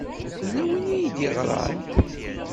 Yella win ay d-yeɣran.